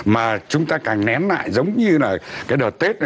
mà chúng ta càng nén lại giống như là cái đợt tết này